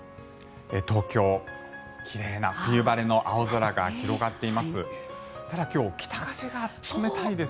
東京、奇麗な冬晴れの青空が広がっています。